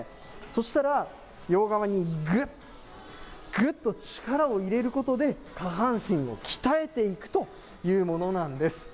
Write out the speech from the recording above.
そしたら、両側にぐっ、ぐっと力を入れることで、下半身を鍛えていくというものなんです。